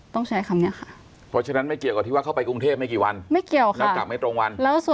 ต้องใช้คำนี้ค่ะ